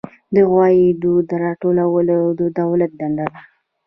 د عوایدو راټولول د دولت دنده ده